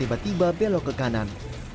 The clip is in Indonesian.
tiba tiba belok ke kanan